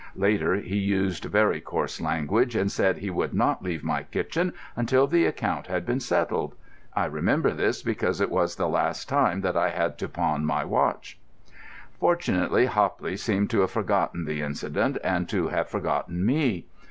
Later, he used very coarse language, and said he should not leave my kitchen until the account had been settled. I remember this because it was the last time that I had to pawn my watch. Fortunately, Hopley seemed to have forgotten the incident and to have forgotten me.